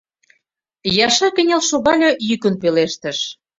Яшай кынел шогале, йӱкын пелештыш: